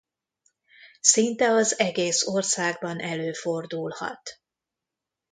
Szinte az egész országban előfordulhat.